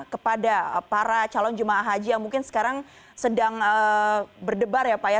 kepada para calon jemaah haji yang mungkin sekarang sedang berdebar ya pak ya